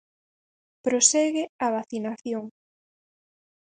Prosegue a vacinación.